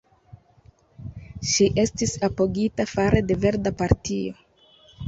Ŝi estis apogita fare de Verda Partio.